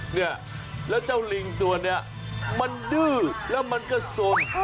เนี่ยแล้วเจ้าลิงตัวนี้มันดื้อแล้วมันก็สน